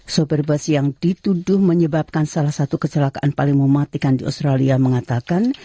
sopir bus yang dituduh menyebabkan salah satu kecelakaan paling mematikan di australia mengatakan